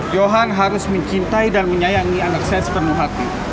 johan harus mencintai dan menyayangi anak saya sepenuh hati